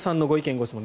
・ご質問